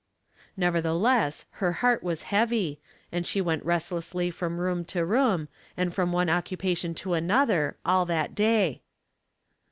Nevertheless, her heart was heavy, and she went restlessly from room to room, and from one occupation to another, all that day.